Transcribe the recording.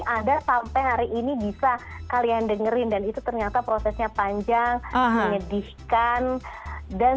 ada sampai hari ini bisa kalian dengerin dan itu ternyata prosesnya panjang menyedihkan dan